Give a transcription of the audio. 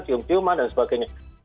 cium ciuman dan sebagainya